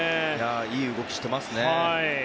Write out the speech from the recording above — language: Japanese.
いい動きしてますね。